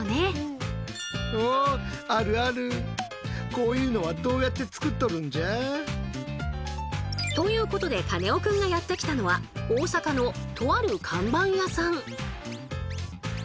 このようなということでカネオくんがやって来たのは大阪のとある看板屋さん！